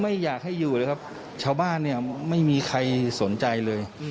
ไม่อยากให้อยู่เลยครับชาวบ้านเนี่ยไม่มีใครสนใจเลย